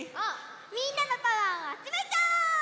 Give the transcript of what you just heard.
みんなのパワーをあつめちゃおう！